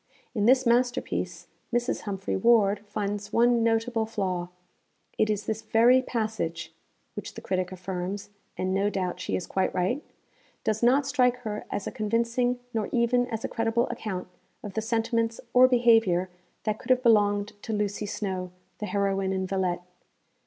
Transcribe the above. In this masterpiece, Mrs. Humphry Ward finds one notable flaw: it is this very passage which the critic affirms (and no doubt she is quite right) does not strike her as a convincing nor even as a credible account of the sentiments or behaviour that could have belonged to Lucy Snowe, the heroine in _Villette.